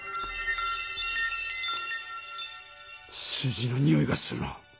数字のにおいがするな。